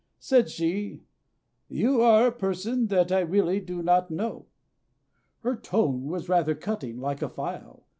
Said she, "You are a person that I really do not know" Her tone was rather cutting, like a file!